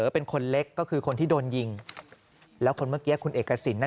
เป็นคนเล็กก็คือคนที่โดนยิงแล้วคนเมื่อกี้คุณเอกสินนั้น